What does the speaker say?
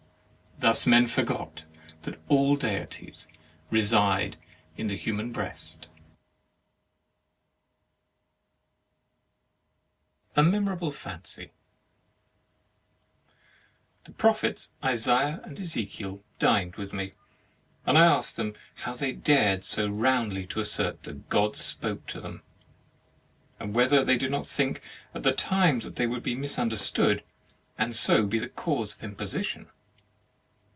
Thus men forgot that all deities reside in the human breast. 21 THE MARRIAGE OF A MEMORABLE FANCY The Prophets Isaiah and Ezekiel dined with me, and I asked them how they dared so roundly to assert that God spoke to them, and whether they did not think at the time that they would be misunderstood, and so be the cause of imposition.